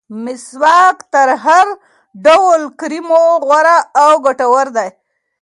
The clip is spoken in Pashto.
مسواک تر هر ډول کریمو غوره او ګټور دی.